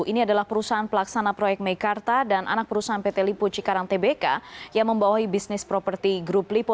ini adalah perusahaan pelaksana proyek meikarta dan anak perusahaan pt lipo cikarang tbk yang membawahi bisnis properti grup lipo